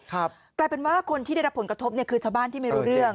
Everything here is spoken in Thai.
กลายเป็นว่าคนที่ได้รับผลกระทบเนี่ยคือชาวบ้านที่ไม่รู้เรื่อง